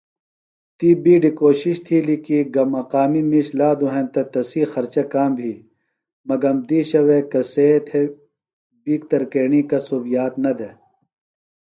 تی بِیڈیۡ کوشِش تِھیلیۡ کی گہ مقامی مِیش لادُوۡ ہینتہ تسی خرچہ کام یھی مگم دِیشہ وے کسے تھےۡ بیۡ ترکیݨی کسُب یاد نہ دےۡ۔